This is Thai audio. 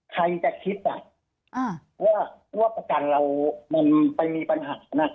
ใครจะคิดอ่ะอ่าว่าว่าประกันเรามันไปมีปัญหาน่ะ